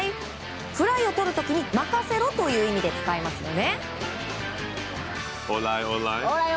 フライをとる時に、任せろという意味で使いますよね。